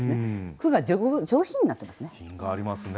句が上品になってますね。